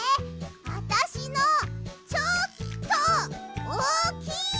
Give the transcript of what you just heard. あたしのちょっとおおきい！